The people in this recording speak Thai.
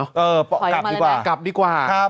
เออกลับดีกว่า